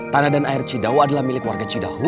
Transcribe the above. tanah dan air cidau adalah milik warga cidahu